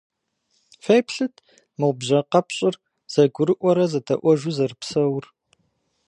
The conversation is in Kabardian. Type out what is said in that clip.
Феплъыт, мо бжьэ къэпщӏыр зэгурыӏуэрэ зэдэӏуэжу зэрыпсэур.